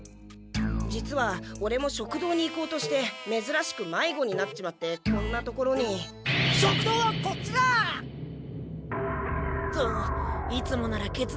実はオレも食堂に行こうとしてめずらしくまいごになっちまってこんな所に。食堂はこっちだ！といつもなら決断できたのに。